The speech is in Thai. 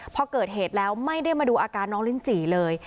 พอเกิดเหตุแล้วไม่ได้มาดูอาการน้องลิ้นจี่เลย